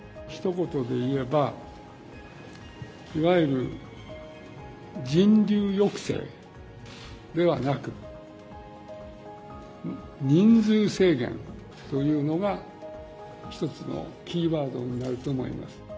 ひと言でいえば、いわゆる人流抑制ではなく、人数制限というのが一つのキーワードになると思います。